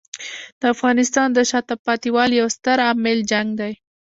د افغانستان د شاته پاتې والي یو ستر عامل جنګ دی.